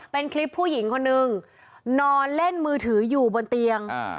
เป็นคลิปผู้หญิงคนนึงนอนเล่นมือถืออยู่บนเตียง